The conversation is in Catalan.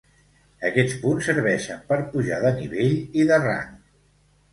Aquests punts serveixen per pujar de nivell i de rang.